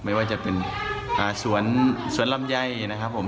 ไม่ว่าจะเป็นสวนลำไยนะครับผม